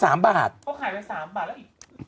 ก็ขายไป๓บาทแล้วอีก